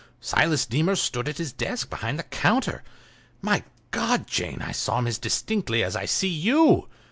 Silas Deemer stood at his desk behind the counter. My God, Jane, I saw him as distinctly as I see you.